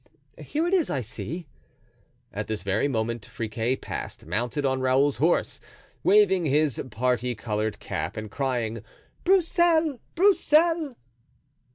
Here it is, I see." At this very moment Friquet passed, mounted on Raoul's horse, waving his parti colored cap and crying, "Broussel! Broussel!"